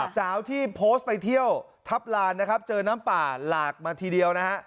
สาวที่โพสต์ไปเที่ยวทัพลานนะครับเจอน้ำป่าหลากมาทีเดียวนะฮะ